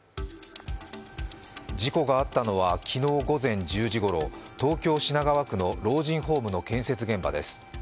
事故があったのは昨日午前１０時ごろ東京・品川区の老人ホームの建設現場です。